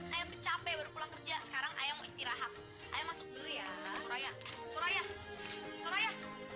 ayah kecapek pulang kerja sekarang ayah istirahat ayah masuk dulu ya suraya suraya suraya